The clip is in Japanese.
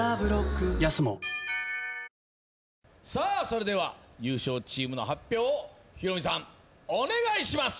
それでは優勝チームの発表をヒロミさんお願いします。